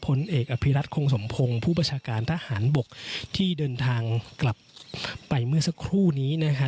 ผลเอกอภิรัตคงสมพงศ์ผู้ประชาการทหารบกที่เดินทางกลับไปเมื่อสักครู่นี้นะคะ